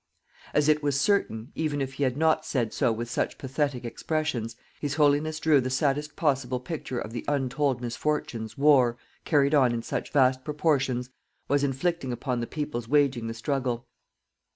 As it was certain, even if He had not said so with such pathetic expressions, His Holiness drew the saddest possible picture of the untold misfortunes war, carried on in such vast proportions, was inflicting upon the peoples waging the struggle.